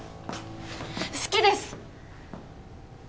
好きです！